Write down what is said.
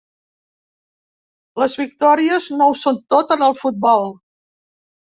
Les victòries no ho són tot en el futbol.